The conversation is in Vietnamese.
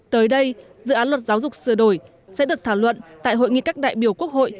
tới đây dự án luật giáo dục sửa đổi sẽ được thảo luận tại hội nghị các đại biểu quốc hội